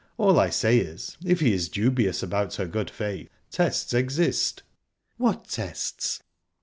All I say is, if he is dubious about her good faith, tests exist." "What tests?"